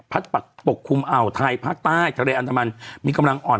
ปักปกคลุมอ่าวไทยภาคใต้ทะเลอันดามันมีกำลังอ่อน